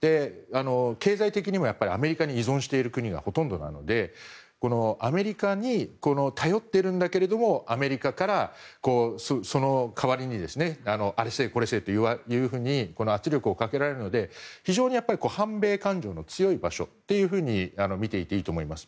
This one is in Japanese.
経済的にもアメリカに依存している国がほとんどなのでアメリカに頼っているんだけどもアメリカからその代わりにあれしろ、これしろというふうに圧力をかけられるので非常に反米感情の強い場所だと見ていていいと思います。